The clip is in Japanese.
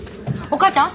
お母ちゃん？